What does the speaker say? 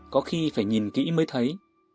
có khi phải nhìn kỹ mới thấy